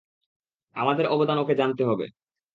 আমাদের অবদান ওকে জানতে হবে।